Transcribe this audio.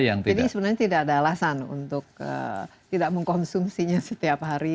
jadi sebenarnya tidak ada alasan untuk tidak mengkonsumsinya setiap hari